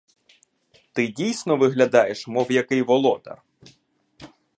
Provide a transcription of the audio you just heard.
Ти дійсно виглядаєш, мов який володар.